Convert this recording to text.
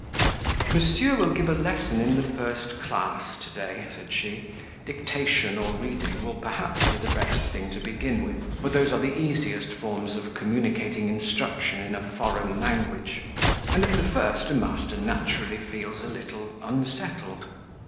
"Monsieur will give a lesson in the first class to day," said she; "dictation or reading will perhaps be the best thing to begin with, for those are the easiest forms of communicating instruction in a foreign language; and, at the first, a master naturally feels a little unsettled."